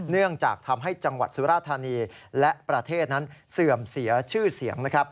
เนื่องจากทำให้จังหวัดสุราธานีและประเทศนั้นเสื่อมเสียชื่อเสียงนะครับ